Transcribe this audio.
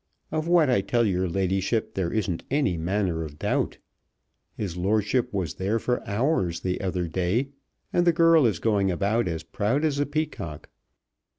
Of what I tell your ladyship there isn't any manner of doubt. His lordship was there for hours the other day, and the girl is going about as proud as a peacock.